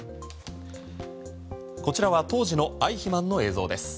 こちらは当時のアイヒマンの映像です。